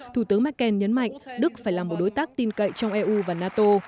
thủ tướng merkel nhấn mạnh đức phải là một đối tác tin cậy trong eu và nato